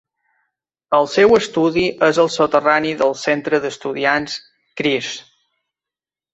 El seu estudi és al soterrani del centre d'estudiants Creese.